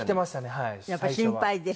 やっぱり心配で？